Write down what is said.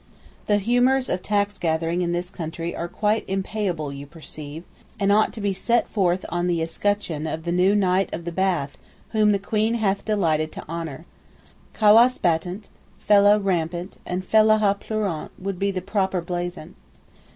The humours of tax gathering in this country are quite impayable you perceive—and ought to be set forth on the escutcheon of the new Knight of the Bath whom the Queen hath delighted to honour. Cawass battant, Fellah rampant, and Fellaha pleurant would be the proper blazon.